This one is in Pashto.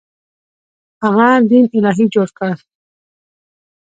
هغه دین الهي جوړ کړ.